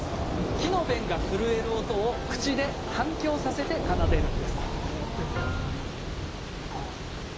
木の弁が震える音を口で反響させて奏でるんです。